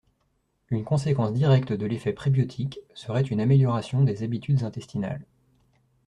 Une conséquence directe de l’effet prébiotique serait une amélioration des habitudes intestinales.